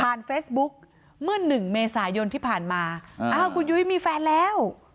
ผ่านเฟสบุ๊คเมื่อ๑เมษายนที่ผ่านมาอ้าวคุณยุ้ยมีแฟนแล้ว